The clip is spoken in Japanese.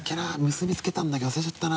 結びつけたんだけど忘れちゃったな。